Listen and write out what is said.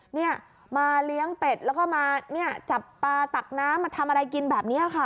เนี่ยมาเลี้ยงเป็ดแล้วก็มาเนี่ยจับปลาตักน้ำมาทำอะไรกินแบบนี้ค่ะ